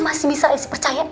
masih bisa esi percaya